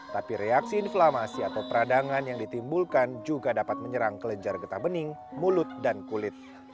tapi reaksi inflamasi atau peradangan yang ditimbulkan juga dapat menyerang kelenjar getah bening mulut dan kulit